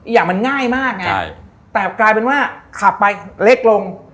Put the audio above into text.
อย่างมันง่ายมากไงแต่กลายเป็นว่าขับไปเล็กลง